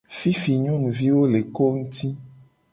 Fifi nyonuviwo le ko ngti.